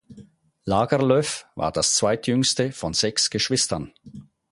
Lagerlöf war das zweitjüngste von sechs Geschwistern.